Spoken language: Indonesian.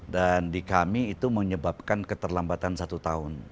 dan di kami itu menyebabkan keterlambatan satu tahun